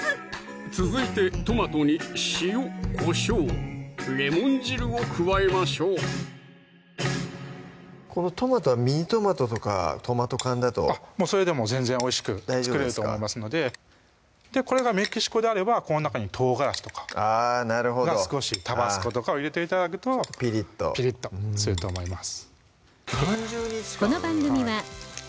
続いてトマトに塩・こしょう・レモン汁を加えましょうこのトマトはミニトマトとかトマト缶だとそれでも全然おいしく作れると思いますのでこれがメキシコであればこの中にとうがらしとかが少しタバスコとかを入れて頂くとピリッとすると思います